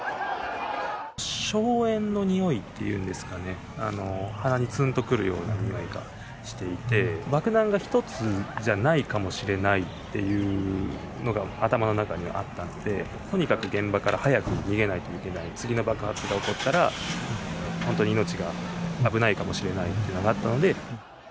硝煙のにおいっていうんですかね、鼻につんとくるような臭いがしていて、爆弾が１つじゃないかもしれないっていうのが頭の中にはあったんで、とにかく現場から早く逃げないといけない、次の爆発が起こったら本当に命が危ないかもしれないっていうのがあったので。